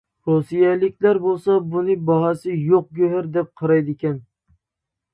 رۇسىيەلىكلەر بولسا بۇنى باھاسى يوق گۆھەر دەپ قارايدىكەن.